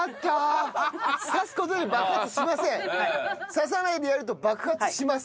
刺さないでやると爆発します。